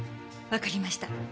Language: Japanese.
わかりました。